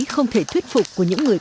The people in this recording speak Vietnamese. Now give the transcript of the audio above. không thể thuyết phục của những người